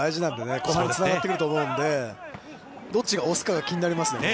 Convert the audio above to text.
今後につながってくると思うので、どっちが押すかが気になりますね。